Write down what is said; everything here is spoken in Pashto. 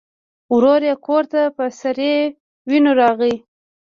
ورور یې کور ته په سرې وینو راغی.